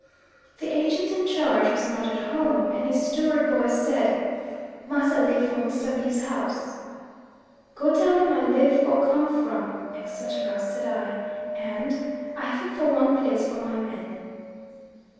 The agent in charge was not at home, and his steward boy said, "Massa live for Mr. B.'s house." "Go tell him I live for come from," etc., said I, and "I fit for want place for my men."